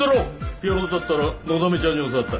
ピアノだったらのだめちゃんに教わったら？